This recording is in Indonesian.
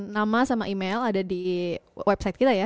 nama sama email ada di website kita ya